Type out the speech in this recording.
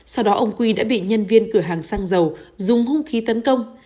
sau đó ông quy đã bị nhân viên cửa hàng xăng dầu dùng hung khí tấn công